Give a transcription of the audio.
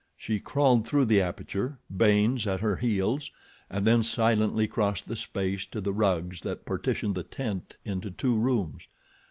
She crawled through the aperture, Baynes at her heels, and then silently crossed the space to the rugs that partitioned the tent into two rooms.